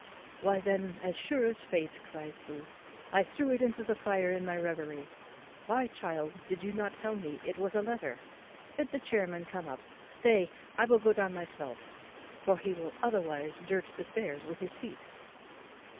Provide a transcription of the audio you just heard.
"Why then as sure as fate," cries Booth, "I threw it into the fire in my reverie; why, child, why did you not tell me it was a letter? bid the chairman come up, stay, I will go down myself; for he will otherwise dirt the stairs with his feet."